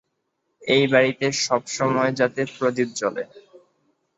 এই বাড়িতে-- সবসময় যাতে প্রদীপ জ্বলে।